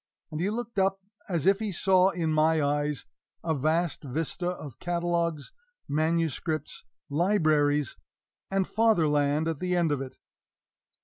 And he looked up as if he saw in my eyes a vast vista of catalogues, manuscripts, libraries, and Fatherland at the end of it.